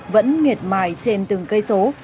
vẫn miệt mài trên từng cây số